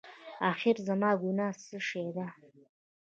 اخېر زما ګناه څه شی ده؟